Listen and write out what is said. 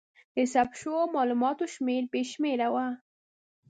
د ثبت شوو مالوماتو شمېر بې شمېره و.